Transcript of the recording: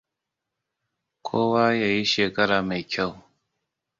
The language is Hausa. Kowa ya yi shekara mai kyau.